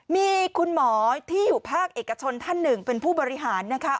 มีคุณหมอที่อยู่ภาคเอกชนท่านหนึ่งเป็นผู้บริหารนะคะ